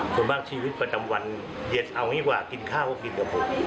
ส่วนมากชีวิตประจำวันเย็นเอางี้กว่ากินข้าวก็กินกับผม